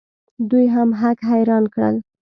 دوی هم هک حیران کړل.